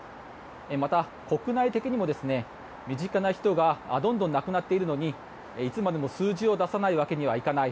また、国内的にも身近な人がどんどん亡くなっているのにいつまでも数字を出さないわけにはいかない。